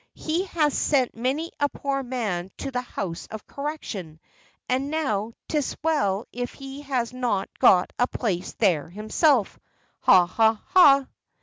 He has sent many a poor man to the house of correction; and now 'tis well if he has not got a place there himself. Ha, ha, ha!"